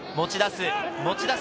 持ち出す。